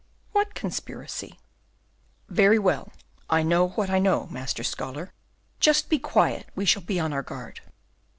"What conspiracy?" "Very well, I know what I know, Master Scholar; just be quiet, we shall be on our guard."